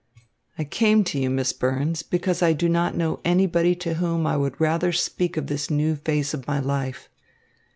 "I came to you, Miss Burns, because I do not know anybody to whom I would rather speak of this new phase of my life.